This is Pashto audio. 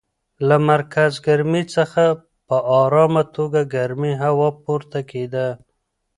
له مرکز ګرمۍ څخه په ارامه توګه ګرمه هوا پورته کېده.